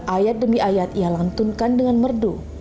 ayat demi ayat ia lantunkan dengan merdu